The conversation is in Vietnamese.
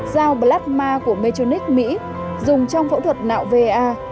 giao plasma của metronic mỹ dùng trong phẫu thuật nạo va